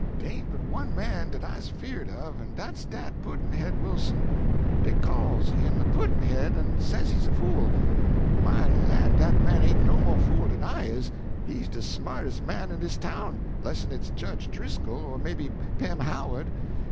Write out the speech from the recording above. "Dey ain't but one man dat I's afeard of, en dat's dat Pudd'nhead Wilson. Dey calls him a pudd'nhead, en says he's a fool. My lan', dat man ain't no mo' fool den I is! He's de smartes' man in dis town, less'n it's Jedge Driscoll or maybe Pem Howard.